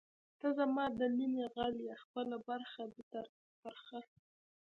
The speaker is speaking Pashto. ته زما د نیمې غل ئې خپله برخه دی تر ترخه